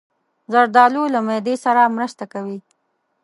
زردالو له معدې سره مرسته کوي.